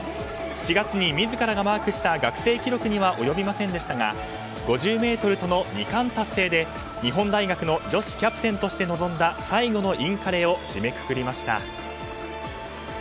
４月に自らがマークした学生記録には及びませんでしたが５０ｍとの２冠達成で日本大学の女子キャプテンとして臨んだ最後のインカレを締めくくりました。